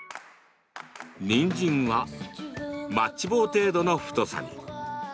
にんじんはマッチ棒程度の太さに。